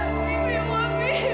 siapu lo sesak